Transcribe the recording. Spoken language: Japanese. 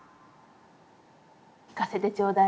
聞かせてちょうだい。